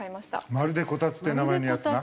「まるでこたつ」って名前のやつな。